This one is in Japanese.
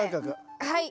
はい。